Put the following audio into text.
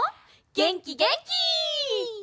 げんきげんき！